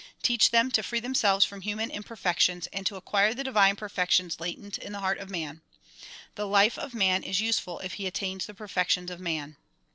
Teach them to free themselves from human imperfections and to acquire the divine perfections latent in the heart of man. The life of man is use ful if he attains the perfections of man.